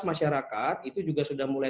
masyarakat itu juga sudah mulai